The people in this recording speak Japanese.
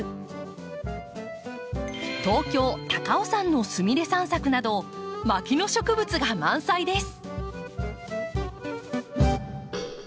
東京・高尾山のスミレ散策など牧野植物が満載です。